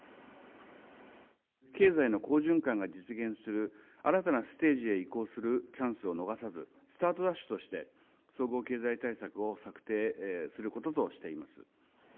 経済の好循環が実現する新たなステージへ移行するチャンスを逃さず、スタートダッシュとして、総合経済対策を策定することとしています。